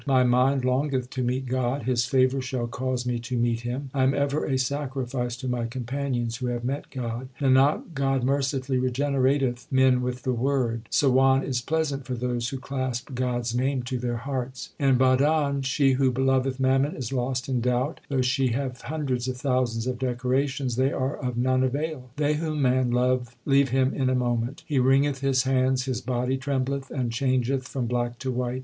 My mind longeth to meet God ; His favour shall cause me to meet Him. I am ever a sacrifice to my companions who have met God. Nanak, God mercifully regenerateth men with the Word. 1 Called Hdr in Guru Nanak s Twelve Months. HYMNS OF GURU ARJAN 127 Sawan is pleasant for those who clasp God s name to their hearts. In Bhadon she who loveth mammon is lost in doubt. Though she have hundreds of thousands of decorations, they are of none avail. They whom man loved leave him in a moment. He wringeth his hands, his body trembleth, and changeth from black to white.